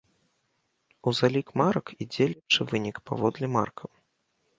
У залік марак ідзе лепшы вынік паводле маркаў.